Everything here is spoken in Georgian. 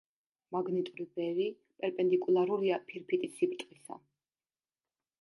მაგნიტური ველი პერპენდიკულარულია ფირფიტის სიბრტყისა.